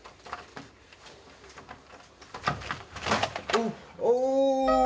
おお！